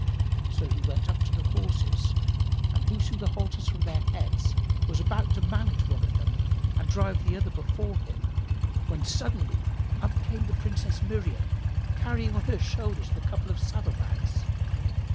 So he went up to the horses and loosing the halters from their heads, was about to mount one of them and drive the other before him, when suddenly up came the Princess Miriam, carrying on her shoulders the couple of saddle bags.